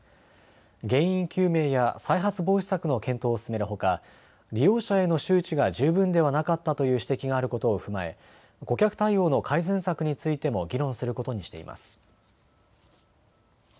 原因究明や再発防止策の検討を進めるほか利用者への周知が十分ではなかったという指摘があることを踏まえ顧客対応の改善策についても議論することにしています。